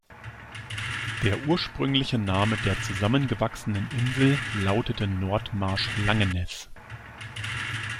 Der ursprüngliche Name der zusammengewachsenen Insel lautete Nordmarsch-Langeneß.